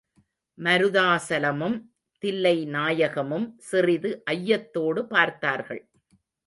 மருதாசலமும் தில்லைநாயகமும் சிறிது ஐயத்தோடு பார்த்தார்கள்.